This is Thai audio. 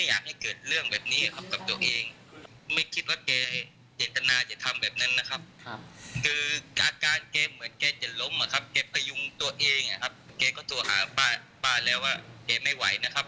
อาจจะเป็นเพราะหายใจไม่ไหวแล้วน่าจะเป็นการเข้าใจผิดมากกว่า